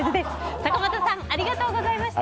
坂本さんありがとうございました。